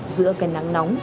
giữa cành nắng nóng